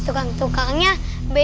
wah tukang tukangnya beda ya